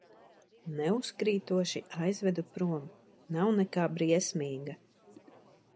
Neuzkrītoši aizvedu prom, nav nekā briesmīga.